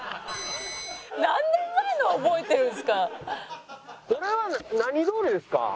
何年前のを覚えてるんですか？